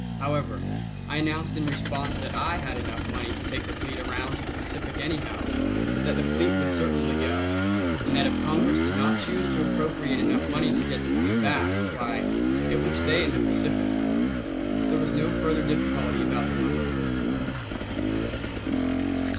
However, I announced in response that I had enough money to take the fleet around to the Pacific anyhow, that the fleet would certainly go, and that if Congress did not choose to appropriate enough money to get the fleet back, why, it would stay in the Pacific. There was no further difficulty about the money.